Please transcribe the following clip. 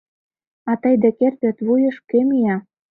А тый декет пӧрт вуйыш кӧ мия?